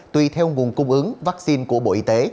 tùy theo nguồn cung ứng vaccine của bộ y tế